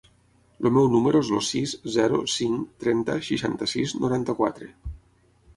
El meu número es el sis, zero, cinc, trenta, seixanta-sis, noranta-quatre.